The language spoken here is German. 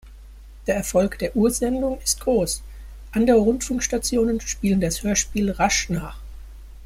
Der Erfolg der Ursendung ist groß, andere Rundfunkstationen spielen das Hörspiel rasch nach.